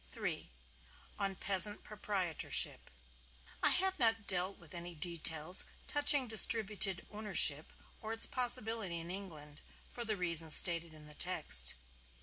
III. ON PEASANT PROPRIETORSHIP I have not dealt with any details touching distributed ownership, or its possibility in England, for the reason stated in the text.